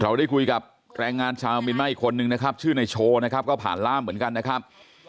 ได้คุยกับแรงงานชาวเมียนมาอีกคนนึงนะครับชื่อในโชว์นะครับก็ผ่านล่ามเหมือนกันนะครับ